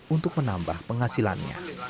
untuk menambah penghasilannya